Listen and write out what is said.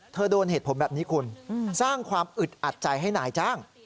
โดนเหตุผลแบบนี้คุณสร้างความอึดอัดใจให้นายจ้าง